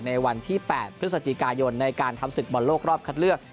ในวันที่๘พฤศจิกายนในการทำศึกบอลโลกรอบคัดเลือก